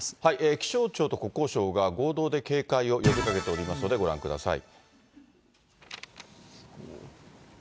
気象庁と国交省が合同で警戒を呼びかけておりますのでご覧ください。